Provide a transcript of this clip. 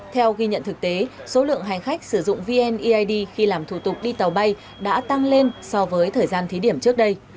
theo ghi nhận thực tế số lượng hành khách sử dụng vneid khi làm thủ tục đi tàu bay đã tăng lên so với thời gian thí điểm trước đây